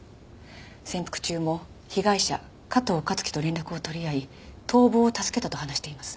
潜伏中も被害者加藤香月と連絡を取り合い逃亡を助けたと話しています。